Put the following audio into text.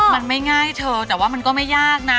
มันไม่ง่ายเธอแต่ว่ามันก็ไม่ยากนะ